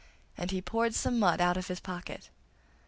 and he poured some mud out of his pocket.